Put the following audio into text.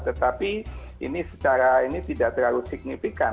tetapi ini secara ini tidak terlalu signifikan